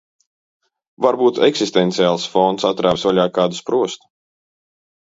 Varbūt eksistenciālais fons atrāvis vaļā kādu sprostu.